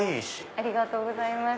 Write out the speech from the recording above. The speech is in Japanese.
ありがとうございます。